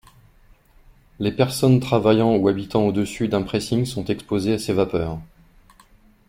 Les personnes travaillant ou habitant au-dessus d'un pressing sont exposées à ces vapeurs.